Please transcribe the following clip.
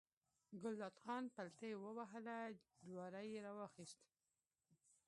ګلداد خان پلتۍ ووهله، جواری یې راواخیست.